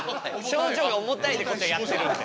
症状が重たいってことやってるんで。